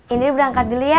indri berangkat dulu ya